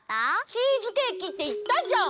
チーズケーキっていったじゃん！